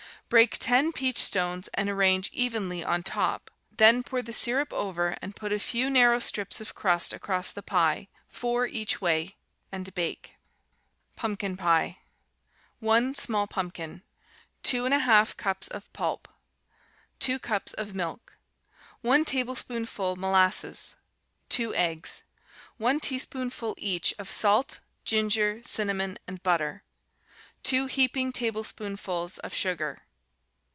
Break ten peach stones and arrange evenly on top; the pour the syrup over, and put a few narrow strips of crust across the pie, four each way, and bake. Pumpkin Pie 1 small pumpkin. 2 1/2 cups of pulp. 2 cups of milk. 1 tablespoonful molasses. 2 eggs. 1 teaspoonful each of salt, ginger, cinnamon, and butter. 2 heaping tablespoonfuls of sugar.